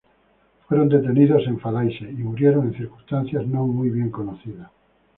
Fueron detenidos en Falaise y murieron en circunstancias no muy bien conocidas.